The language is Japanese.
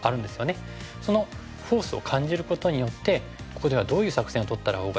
そのフォースを感じることによってここではどういう作戦をとったほうがいいのか。